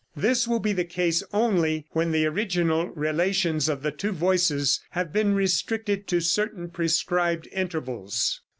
This will be the case only when the original relations of the two voices have been restricted to certain prescribed intervals.